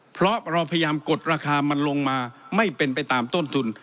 เพราะเราพยายามกดราคามันลงมาไม่เป็นไปตามต้นทุน